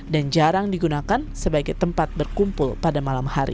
dan jarang digunakan sebagai tempat berkumpul pada malam hari